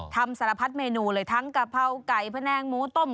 ทำสารพัดเมนูเลยทั้งกะเพราไก่แผนงหมูต้ม